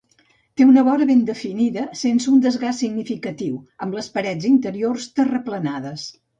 Té una vora ben definida sense un desgast significatiu, amb les parets interiors terraplenades.